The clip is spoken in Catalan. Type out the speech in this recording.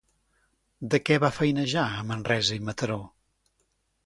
De què va feinejar a Manresa i Mataró?